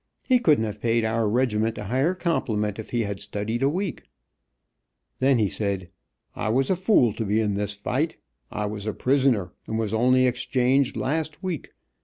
He couldn't have paid our regiment a higher compliment if he had studied a week. Then he said: "I was a fool to be in this fight. I was a prisoner and was only exchanged last week.